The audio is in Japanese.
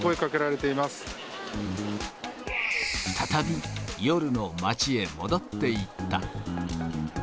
再び夜の街へ戻っていった。